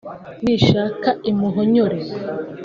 nishaka imuhonyore